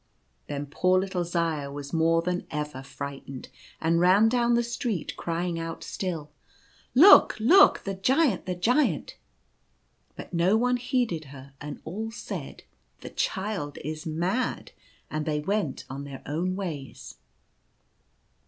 Then poor little Zaya was more than ever frightened, and ran down the street crying out still, u Look ! look ! the Giant, the Giant !" But no one heeded her, and all said, " The child is mad," and they went on their own ways.